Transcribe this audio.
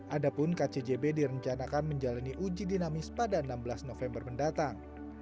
adapun kcjb direncanakan menjalani uji dinamis pada enam belas november mendatang